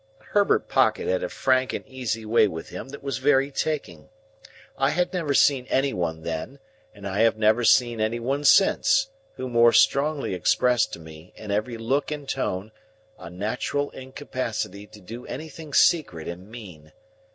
Herbert Pocket had a frank and easy way with him that was very taking. I had never seen any one then, and I have never seen any one since, who more strongly expressed to me, in every look and tone, a natural incapacity to do anything secret and mean.